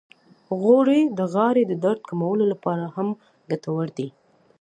غوړې د غاړې د درد کمولو لپاره هم ګټورې دي.